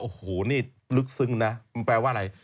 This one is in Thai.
โอ้โหนี่ลึกซึ้งนะมันแปลว่าอะไร